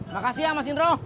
makasih ya mas indro